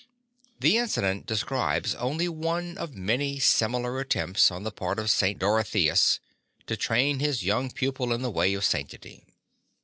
The inci dent describes only one of many similar attempts on the part of St. Dorotheus to train his young pupil in the way of sanctity.